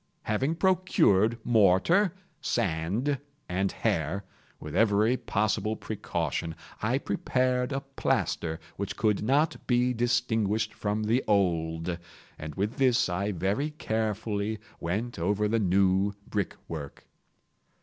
Having procured mortar, sand, and hair, with every possible precaution, I prepared a plaster which could not be distinguished from the old, and with this I very carefully went over the new brickwork.